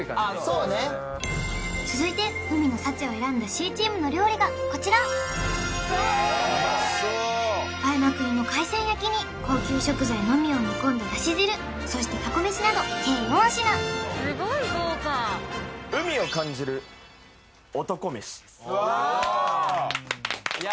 そうね続いて海の幸を選んだＣチームの料理がこちら映えまくりの海鮮焼きに高級食材のみを煮込んだだし汁そしてタコ飯など計４品すごい豪華・うわいや